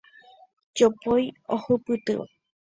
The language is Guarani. Jopói ohupytýva.